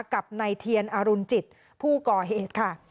กับนายเทียนอรุณจิตผู้ก่อเหตุค่ะ